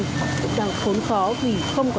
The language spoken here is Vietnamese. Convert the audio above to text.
cũng đang khốn khó vì không có